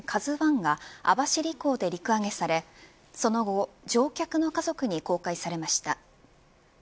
ＫＡＺＵ１が網走港で陸揚げされその後、乗客の家族に公開されました。